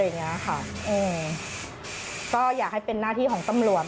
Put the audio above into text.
อย่างเงี้ยค่ะอืมก็อยากให้เป็นหน้าที่ของตำรวจ